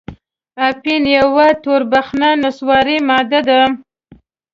اپین یوه توربخنه نسواري ماده ده.